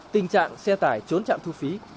tình trạng xe tải trốn trạm thu phí